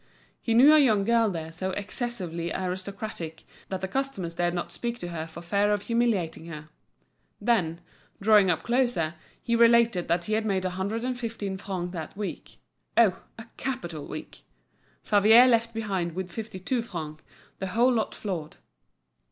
He knew a young girl there so excessively aristocratic that the customers dared not speak to her for fear of humiliating her. Then, drawing up closer, he related that he had made a hundred and fifteen francs that week; oh! a capital week. Favier left behind with fifty two francs, the whole lot floored.